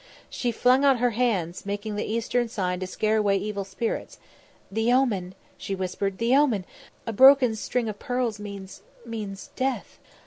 She flung out her hands, making the Eastern sign to scare away evil spirits. "The omen!" she whispered. "The omen! A broken string of pearls means means death."